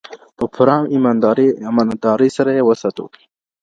په پوره امانتدارۍ سره یې وساتو.